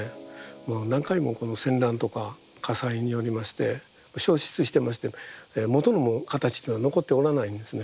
もう何回も戦乱とか火災によりまして焼失してまして元の形では残っておらないんですね。